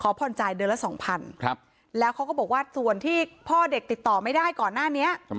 ผ่อนจ่ายเดือนละสองพันแล้วเขาก็บอกว่าส่วนที่พ่อเด็กติดต่อไม่ได้ก่อนหน้านี้